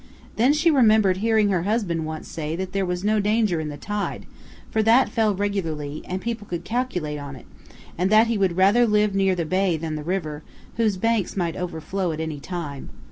Then she remembered hearing her husband once say that there was no danger in the tide, for that fell regularly, and people could calculate on it, and that he would rather live near the bay than the river, whose banks might overflow at any time.